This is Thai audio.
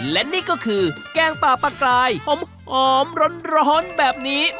และนี่ก็คือแกงปลากรายหอมหอมร้อนร้อนแบบนี้